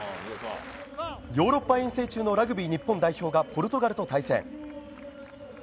ヨーロッパ遠征中のラグビー日本代表がポルトガルと対戦。